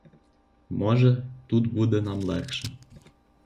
Може, тут буде нам легше.